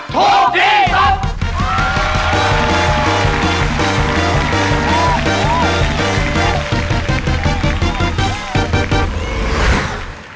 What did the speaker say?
ถูกที่สุด